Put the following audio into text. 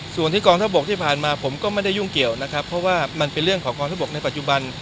ส่วนที่กองทัพบกที่ผ่านมาผมก็ไม่ได้ยุ่งเกี่ยวนะครับเพราะว่ามันเป็นเรื่องของกองทบกในปัจจุบัน